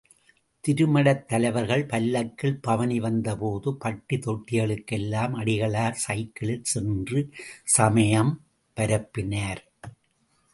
திருமடத் தலைவர்கள் பல்லக்கில் பவனிவந்தபோது பட்டி தொட்டிகளுக்கெல்லாம் அடிகளார் சைக்கிளில் சென்று சமயம் பரப்பினார்.